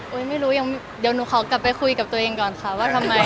เฮ้ยไม่รู้เดี๋ยวหนูคาวไปคุยกับตัวเองก่อนค่ะว่าทำไม